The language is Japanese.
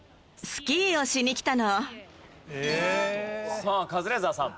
さあカズレーザーさん。